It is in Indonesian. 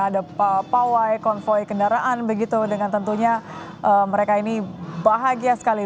ada pawai konvoy kendaraan begitu dengan tentunya mereka ini bahagia sekali